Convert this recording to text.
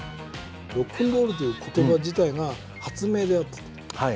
ロックンロールという言葉自体が発明であったと。